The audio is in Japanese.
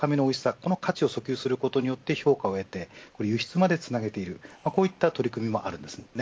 この価値を遡及することによって評価を得て輸出までつなげているこういった取り組みもあります。